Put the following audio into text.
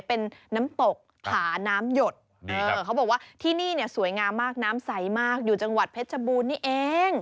เป็นน้ำตกผาน้ำหยดเขาบอกว่าที่นี่เนี่ยสวยงามมากน้ำใสมากอยู่จังหวัดเพชรบูรณนี่เอง